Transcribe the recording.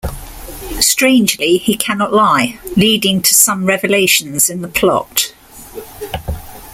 Strangely, he "cannot lie," leading to some revelations in the plot.